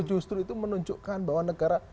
justru itu menunjukkan bahwa negara